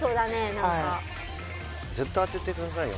何か絶対当ててくださいよ